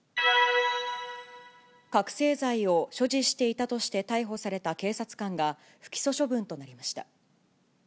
覚醒剤を所持していたとして逮捕された警察官が、不起訴処分となりました。